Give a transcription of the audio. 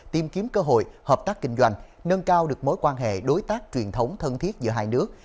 tìm kiếm cơ hội hợp tác kinh doanh nâng cao được mối quan hệ đối tác truyền thống thân thiết giữa hai nước